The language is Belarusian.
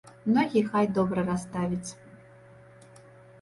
Ногі хай добра расставіць.